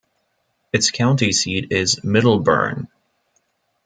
Its county seat is Middlebourne.